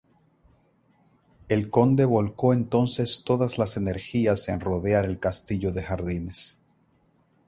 El conde volcó entonces todas las energías en rodear el castillo de jardines.